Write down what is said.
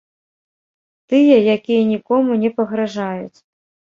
Тыя, якія нікому не пагражаюць.